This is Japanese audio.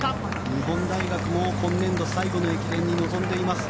日本大学も今年度最後の大会に臨んでいます。